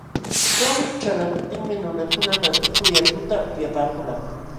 Covid ćhalqamuptinmi nunakuna matiku yakuta upyapaakulqa.